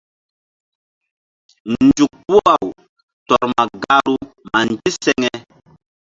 Nzuk puh-aw tɔr ma gahru ma ndiseŋe.